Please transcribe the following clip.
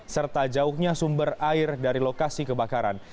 serta jauhnya sumber air dari lokasi kebakaran